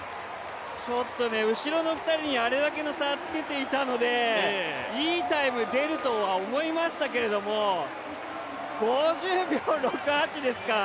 ちょっとね、後ろの２人にあれだけの差つけていたのでいいタイム出るとは思いましたけれども、５０秒６８ですか。